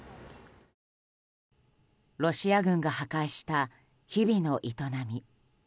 ロシア軍が破壊した日々の営み。